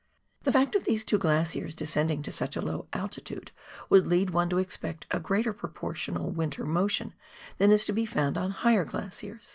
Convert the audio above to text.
The fact of these two glaciers descending to such a low altitude would lead one to expect a greater proportional winter motion than is to be found on higher glaciers.